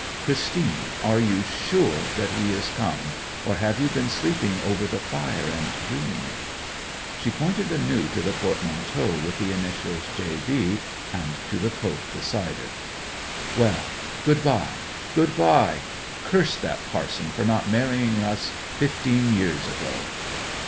'Christine, are you sure that he is come, or have you been sleeping over the fire and dreaming it?' She pointed anew to the portmanteau with the initials 'J. B.,' and to the coat beside it. 'Well, good bye good bye! Curse that parson for not marrying us fifteen years ago!'